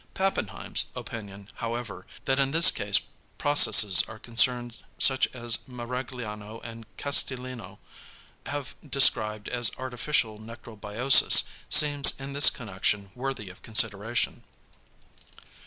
Pappenheim's opinion however, that in this case processes are concerned such as Maragliano and Castellino have described as artificial necrobiosis, seems in this connection worthy of consideration.